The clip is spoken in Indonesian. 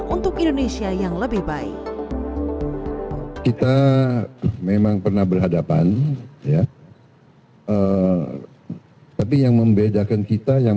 untuk indonesia yang lebih baik kita memang pernah berhadapan ya tapi yang membedakan kita yang